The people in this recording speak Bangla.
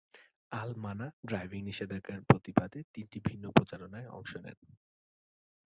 আল-মানা ড্রাইভিং নিষেধাজ্ঞার প্রতিবাদে তিনটি ভিন্ন প্রচারণায় অংশ নেন।